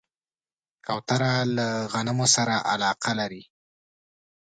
کوتره له غنمو سره علاقه لري.